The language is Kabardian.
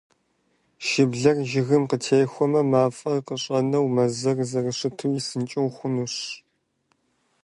Щыблэр жыгым техуэмэ, мафӀэ къыщӏэнэу, мэзыр зэрыщыту исынкӏэ хъунущ.